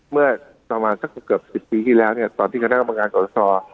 เมื่อประมาณสักเกือบสิบปีที่แล้วเนี่ยตอนที่คำตั้งกำลังงานกฎศร